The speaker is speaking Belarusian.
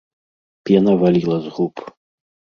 Пена валіла з губ.